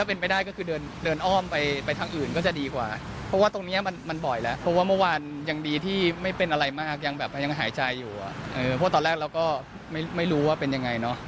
เพราะตอนแรกเราก็ไม่รู้ว่าเป็นยังไงเนอะ